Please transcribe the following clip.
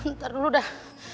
ntar dulu dah